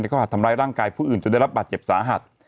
เขาหาดทำร้ายร่างกายผู้อื่นจนได้รับบาดเจ็บสาหัส